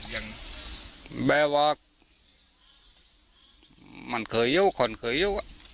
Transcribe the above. แบบว่ามันเคยเยอะคนเคยเยอะ